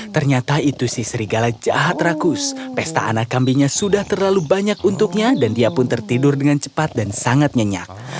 ternyata itu si serigala jahat rakus pesta anak kambingnya sudah terlalu banyak untuknya dan dia pun tertidur dengan cepat dan sangat nyenyak